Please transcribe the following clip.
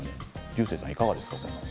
竜星さん、いかがですか。